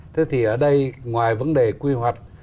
thế thì ở đây ngoài vấn đề quy hoạch